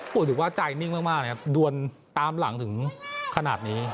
กูถือว่าใจนิ่งมากดวนตามหลังถึงขนาดนี้